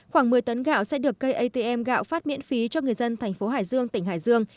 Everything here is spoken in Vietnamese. khoảng một mươi tấn gạo sẽ được cây atm gạo phát miễn phí cho người dân thành phố hải dương tỉnh hải dương